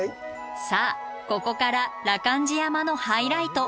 さあここから羅漢寺山のハイライト。